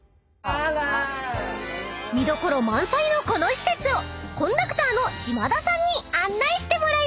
［見どころ満載のこの施設をコンダクターの嶋田さんに案内してもらいます］